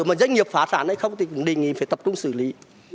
mà doanh nghiệp phá sản hay không thì cũng đề nghị phải tập trung xử lý